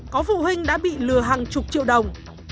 có phụ huynh đã bị lừa hàng chục triệu đồng